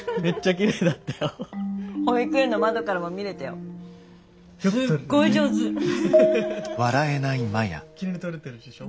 きれいに撮れてるでしょ？